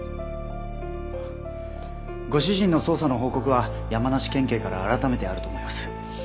ご主人の捜査の報告は山梨県警から改めてあると思います。